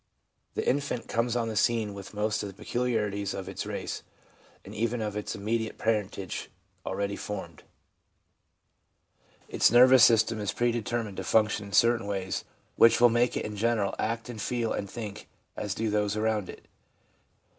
The infant comes on the scene with most of the peculiarities of its race and even of its immediate parentage already formed. Its nervous system is pre VIEW OF THE LINE OF RELIGIOUS GROWTH 395 determined to function in certain ways which will make it in general act and feel and think as do those around it.